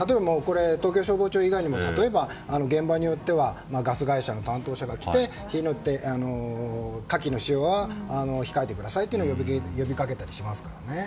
東京消防庁以外にも例えば、現場によってはガス会社の担当者が来て火器の使用は控えてくださいと呼びかけたりしますね。